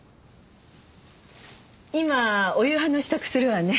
今お夕飯の支度するわね。